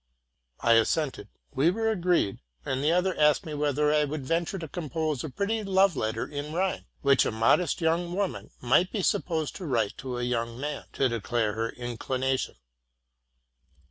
'' I assented; we were agreed; and the other asked me whether I would venture to compose a pretty love letter in rhyme, which a modest young woman might be supposed to write to a young man, to declare her inclination.